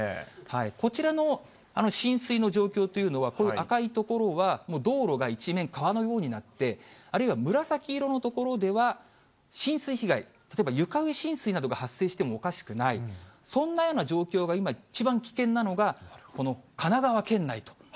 こちらの浸水の状況というのは、こういう赤い所は、もう道路が一面、川のようになって、あるいは紫色の所では、浸水被害、例えば床上浸水などが発生してもおかしくない、そんなような状況が今、一番危険なのが、この神奈川県内と。